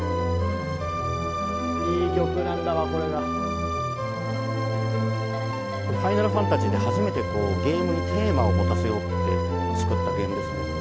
これ「ファイナルファンタジー」で初めてゲームにテーマを持たせようって作ったゲームですね。